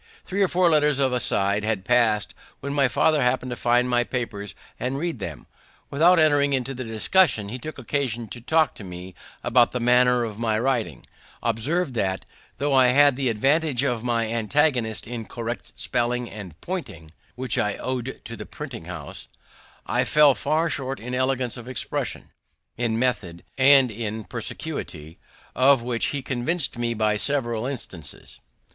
Three or four letters of a side had passed, when my father happened to find my papers and read them. Without entering into the discussion, he took occasion to talk to me about the manner of my writing; observed that, though I had the advantage of my antagonist in correct spelling and pointing (which I ow'd to the printing house), I fell far short in elegance of expression, in method and in perspicuity, of which he convinced me by several instances.